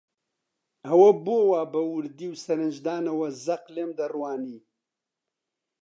ئەوە بۆ وا بە وردی و سەرنجدانەوە زەق لێم دەڕوانی؟